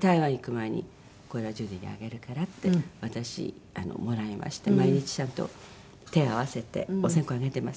台湾行く前に「これはジュディにあげるから」って私もらいまして毎日ちゃんと手合わせてお線香あげてます。